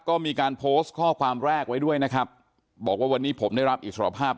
ก็มีการโพสต์ข้อความแรกไว้ด้วยนะครับบอกว่าวันนี้ผมได้รับอิสรภาพ